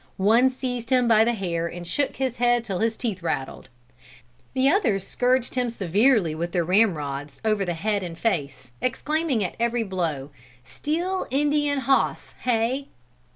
One seized him by the hair and shook his head 'till his teeth rattled.' The others scourged him severely with their ramrods over the head and face, exclaiming at every blow, 'Steal Indian hoss, hey!'